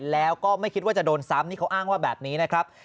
แล้วก็ไม่คิดว่าจะโดนซ้ำนี่เขาอ้างว่าแบบนี้นะครับ